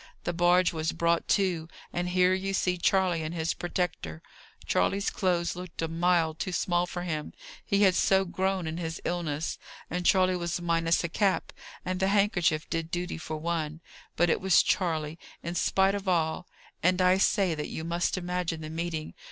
The barge was brought to; and here you see Charley and his protector. Charley's clothes looked a mile too small for him, he had so grown in his illness; and Charley was minus a cap, and the handkerchief did duty for one. But it was Charley, in spite of all; and I say that you must imagine the meeting.